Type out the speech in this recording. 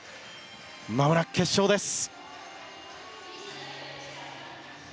まもなく決勝です。